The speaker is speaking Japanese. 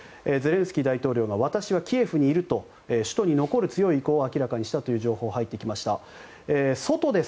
ゼレンスキー大統領が私はキエフにいると首都に残る強い意向を明らかにしたという情報が入ってきました。